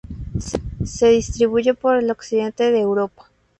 Se distribuye por el occidente de Europa.